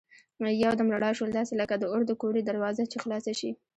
یو دم رڼا شول داسې لکه د اور د کورې دروازه چي خلاصه شي.